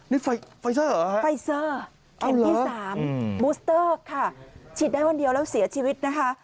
นี่ไฟเซอร์เหรอครับอ้าวเหรอไฟเซอร์แคมป์ที่๓บูสเตอร์ค่ะฉีดได้วันเดียวแล้วเสียชีวิตนะคะ